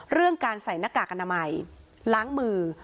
เรื่องการใส่หน้ากากอนามัยล้างมือ